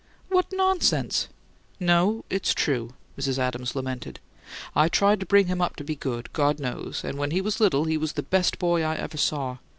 "What nonsense!" "No, it's true," Mrs. Adams lamented. "I tried to bring him up to be good, God knows; and when he was little he was the best boy I ever saw.